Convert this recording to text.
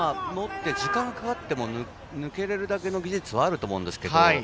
時間がかかっても、抜けられるだけの技術はあると思うんです。